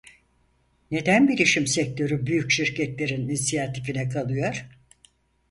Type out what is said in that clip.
Neden bilişim sektörü büyük şirketlerin inisiyatifine kalıyor?